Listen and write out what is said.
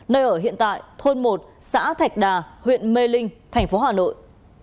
nơi ở hiện tại thôn một xã thạch đà huyện mê linh thành phố hà nội